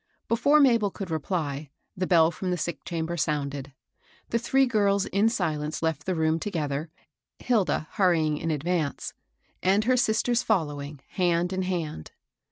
Before Mabel could reply, the bell from the sick chamber sounded. The three girls in silence left the room together; Hilda hurrying in advance, and her sisters following, hand in hand.